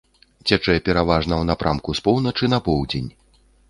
Цячэ пераважна ў напрамку з поўначы на поўдзень.